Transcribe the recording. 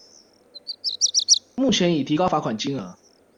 目前已提高罰款金額